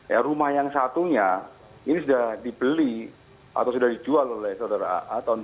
ya rumah yang satunya ini sudah dibeli atau sudah dijual oleh saudara a a tahun dua ribu empat belas